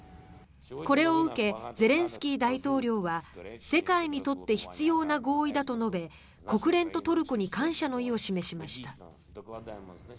これを受けゼレンスキー大統領は世界にとって必要な合意だと述べ国連とトルコに感謝の意を示しました。